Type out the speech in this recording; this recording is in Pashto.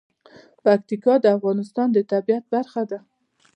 پکتیکا د افغانستان د طبیعت برخه ده.